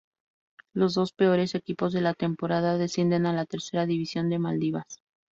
Los dos peores equipos de la temporada descienden a la Tercera División de Maldivas.